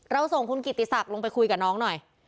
ส่งคุณกิติศักดิ์ลงไปคุยกับน้องหน่อย